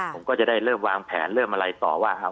ผมก็จะได้เริ่มวางแผนเริ่มอะไรต่อว่าครับ